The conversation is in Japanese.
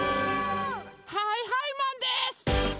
はいはいマンです！